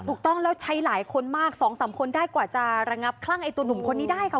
ถูกต้องแล้วใช้หลายคนมากสองสามคนได้กว่าจะระงับคลั่งไอ้ตัวหนุ่มคนนี้ได้ค่ะ